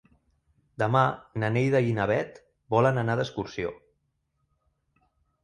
Demà na Neida i na Bet volen anar d'excursió.